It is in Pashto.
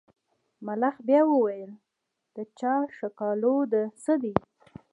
ملخ بیا وویل د چا ښکالو ده څه دي.